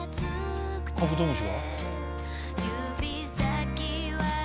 カブトムシが。